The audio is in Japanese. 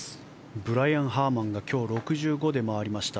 ブライアン・ハーマンが今日、６５で回りました。